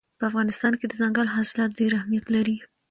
په افغانستان کې دځنګل حاصلات ډېر اهمیت لري.